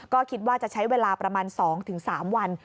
ก็คิดว่าจะใช้เวลาประมาณ๒๓วัน